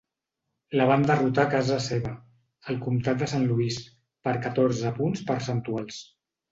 La van derrotar a casa seva, el comtat de Saint Louis, per catorze punts percentuals.